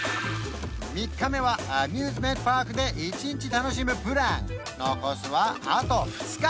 ３日目はアミューズメントパークで１日楽しむプラン残すはあと２日